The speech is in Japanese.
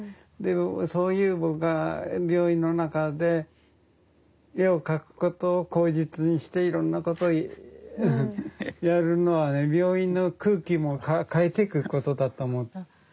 そういう僕は病院の中で絵を描くことを口実にしていろんなことをやるのはね病院の空気も変えていくことだと思って。